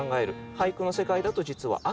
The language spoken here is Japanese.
俳句の世界だと実は秋。